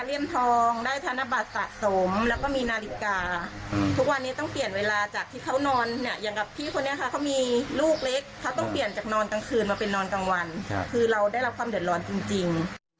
คือเราได้รับความเด็ดร้อนจริง